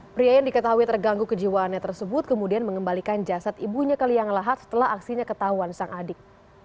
pria yang diketahui terganggu kejiwaannya tersebut kemudian mengembalikan jasad ibunya ke liang lahat setelah aksinya ketahuan sang adik